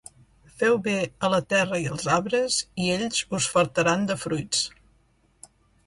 Feu bé a la terra i als arbres i ells us fartaran de fruits.